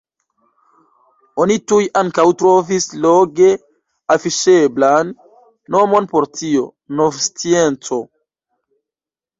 Oni tuj ankaŭ trovis loge afiŝeblan nomon por tio: nov-scienco.